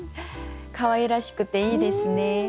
かわいらしくていいですね。